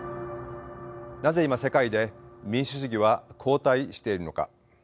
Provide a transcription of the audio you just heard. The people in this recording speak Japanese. なぜ今世界で民主主義は後退しているのか。